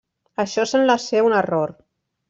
Això sembla ser un error.